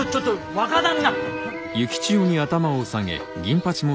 若旦那！